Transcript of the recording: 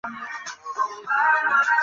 所属事务所为奥斯卡传播。